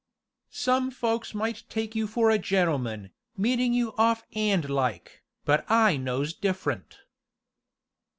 "Some folks might take you for a gentleman, meetin' you off'and like, but I knows different."